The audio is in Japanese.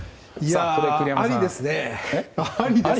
ありですね。